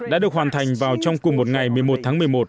đã được hoàn thành vào trong cùng một ngày một mươi một tháng một mươi một